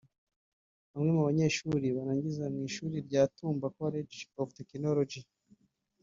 Bamwe mu banyeshuri barangiza mu ishuri rya Tumba College of Techonology